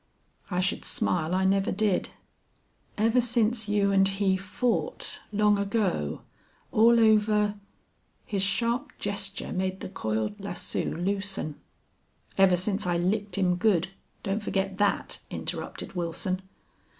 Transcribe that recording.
"I should smile I never did." "Ever since you and he fought long ago all over " His sharp gesture made the coiled lasso loosen. "Ever since I licked him good don't forget that," interrupted Wilson.